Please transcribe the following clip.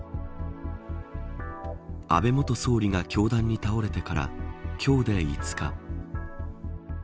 安倍元総理が凶弾に倒れてから今日で５日。